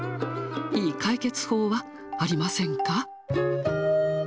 いい解決法はありませんか。